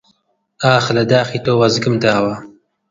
ئاخ لە داخی تۆ وەزگم داوە!